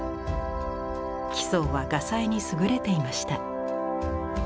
徽宗は画才に優れていました。